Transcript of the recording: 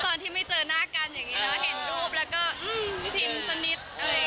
ตอนที่ไม่เจอหน้ากันอย่างนี้แล้วเห็นรูปแล้วก็พิมพ์สักนิด